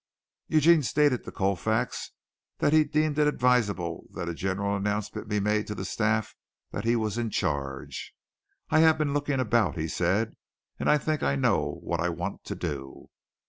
Eugene stated to Colfax that he deemed it advisable that a general announcement be made to the staff that he was in charge. "I have been looking about," he said, "and I think I know what I want to do."